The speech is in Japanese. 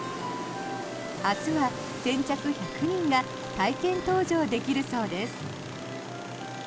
明日は先着１００人が体験搭乗できるそうです。